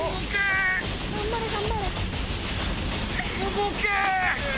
動け！